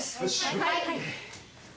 はい！